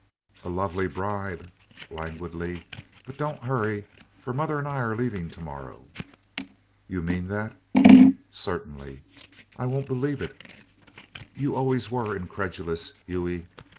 "A lovely bribe," languidly, "but don't hurry, for mother and I are leaving to morrow." "You mean that?" "Certainly." "I won't believe it." "You always were incredulous, Hughie."